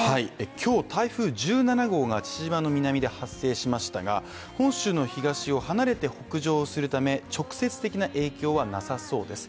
今日台風１７号が父島の南で発生しましたが本州の東を離れて北上するため直接的な影響はなさそうです。